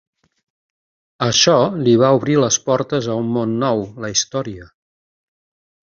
Això li va obrir les portes a un món nou: la història.